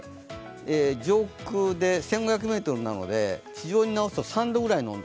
上空で１５００ｍなので地上に直すと３度くらいの温度。